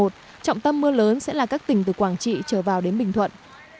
trọng tâm mưa lớn sẽ là các tỉnh từ quảng trị trở vào đến bình thuận